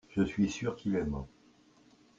je suis sûr qu'il aima.